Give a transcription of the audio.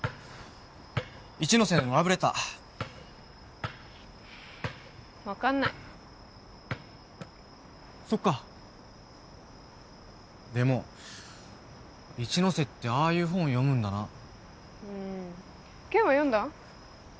一ノ瀬へのラブレター分かんないそっかでも一ノ瀬ってああいう本読むんだなうん健は読んだ？